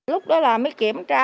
lúc đó là mới kiểm tra